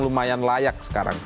lumayan layak sekarang